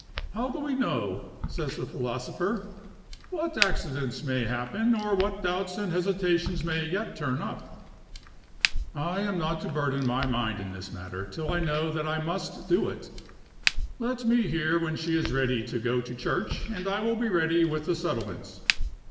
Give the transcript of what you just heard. "How do we know," says the philosopher, "what accidents may happen, or what doubts and hesitations may yet turn up? I am not to burden my mind in this matter, till I know that I must do it. Let me hear when she is ready to go to church, and I will be ready with the settlements.